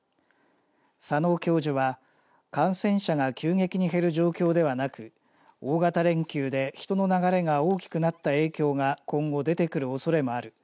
佐野教授は感染者が急激に減る状況ではなく大型連休で人の流れが大きくなった影響が今後、出てくるおそれもある。